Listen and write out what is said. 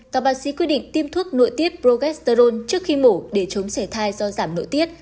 tạo bác sĩ quyết định tiêm thuốc nội tiết progesterone trước khi mổ để chống sể thai do giảm nội tiết